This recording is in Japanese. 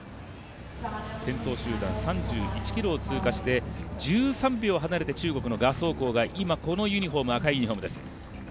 先頭集団３１ｋｍを通過して、１３秒離れて中国の賀相紅が今、この赤いユニフォームです。